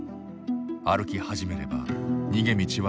歩き始めれば逃げ道はない。